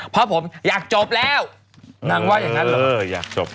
เพราะผมอยากจบแล้วนางว่าอย่างนั้นหรอ